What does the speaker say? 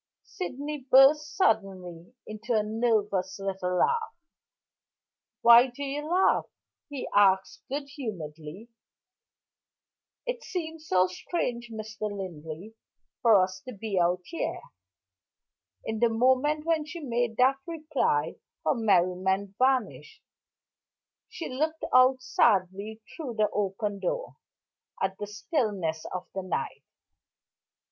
Sydney burst suddenly into a nervous little laugh. "Why do you laugh?" he asked good humoredly. "It seems so strange, Mr. Linley, for us to be out here." In the moment when she made that reply her merriment vanished; she looked out sadly, through the open door, at the stillness of the night.